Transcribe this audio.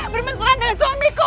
bermasalah dengan suamiku